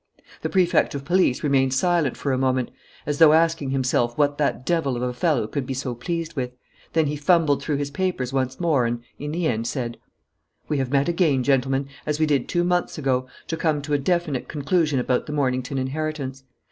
The Prefect of Police remained silent for a moment, as though asking himself what that devil of a fellow could be so pleased with; then he fumbled through his papers once more and, in the end, said: "We have met again, gentlemen, as we did two months ago, to come to a definite conclusion about the Mornington inheritance.